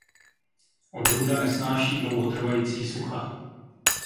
Odrůda nesnáší dlouhotrvající sucha.